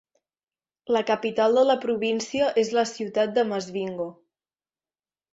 La capital de la província és la ciutat de Masvingo.